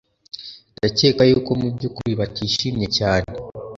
Ndakeka yuko mubyukuri batishimye cyane